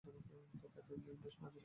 তাতে ঐ মেয়ের বেশ মজা পেত।